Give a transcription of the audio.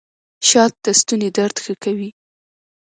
شات د ستوني درد ښه کوي